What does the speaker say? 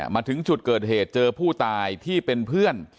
มาถึงจุดเกิดเหตุเจอผู้ตายที่เป็นเพื่อน